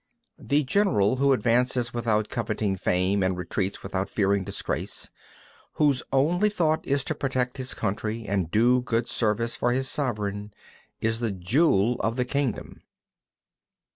24. The general who advances without coveting fame and retreats without fearing disgrace, whose only thought is to protect his country and do good service for his sovereign, is the jewel of the kingdom.